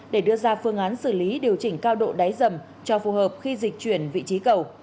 để đưa ra phương án xử lý điều chỉnh cao độ đáy dầm cho phù hợp khi dịch chuyển vị trí cầu